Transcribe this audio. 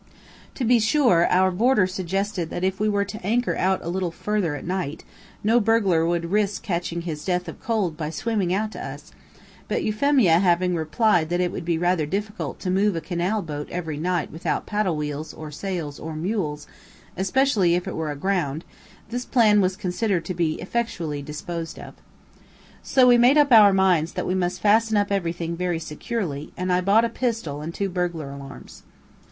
To be sure, our boarder suggested that if we were to anchor out a little further at night, no burglar would risk catching his death of cold by swimming out to us; but Euphemia having replied that it would be rather difficult to move a canal boat every night without paddle wheels, or sails, or mules, especially if it were aground, this plan was considered to be effectually disposed of. So we made up our minds that we must fasten up everything very securely, and I bought a pistol and two burglar alarms.